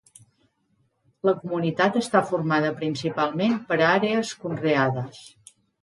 La comunitat està formada principalment per àrees conreades.